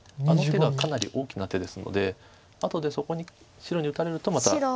あの手がかなり大きな手ですので後でそこに白に打たれるとまた。